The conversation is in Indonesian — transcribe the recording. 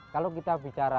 kalau kita bicara masyarakat